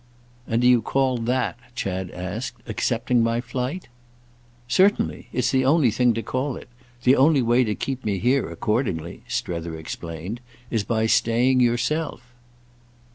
"And do you call that," Chad asked, "accepting my flight?" "Certainly—it's the only thing to call it. The only way to keep me here, accordingly," Strether explained, "is by staying yourself."